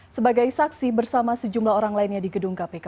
sebagai saksi bersama sejumlah orang lainnya di gedung kpk